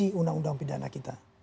di undang undang pidana kita